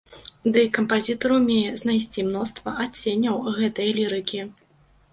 Дый кампазітар умее знайсці мноства адценняў гэтай лірыкі.